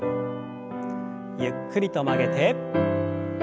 ゆっくりと曲げて。